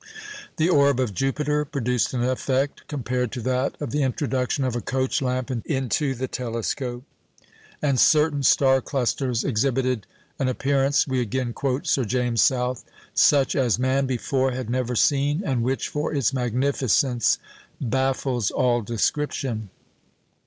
" The orb of Jupiter produced an effect compared to that of the introduction of a coach lamp into the telescope; and certain star clusters exhibited an appearance (we again quote Sir James South) "such as man before had never seen, and which for its magnificence baffles all description."